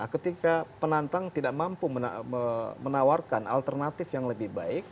ketika penantang tidak mampu menawarkan alternatif yang lebih baik